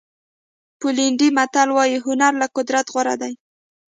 پولنډي متل وایي هنر له قدرت غوره دی.